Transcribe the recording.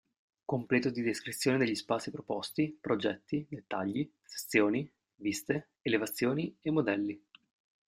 Completo di descrizione degli spazi proposti, progetti, dettagli, sezioni, viste, elevazioni e modelli.